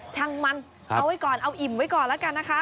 ช่างมันเอาไว้ก่อนเอาอิ่มไว้ก่อนแล้วกันนะคะ